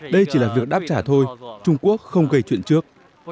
đây chỉ là việc đáp trả thôi trung quốc không gây chuyện trước